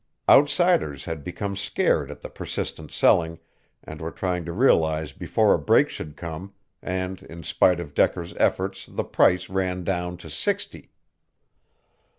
Outsiders had become scared at the persistent selling, and were trying to realize before a break should come, and in spite of Decker's efforts the price ran down to sixty.